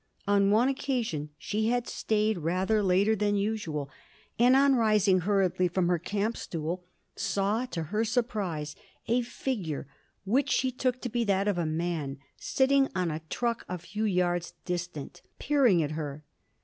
On one occasion she had stayed rather later than usual, and on rising hurriedly from her camp stool saw, to her surprise, a figure which she took to be that of a man, sitting on a truck a few yards distant, peering at her.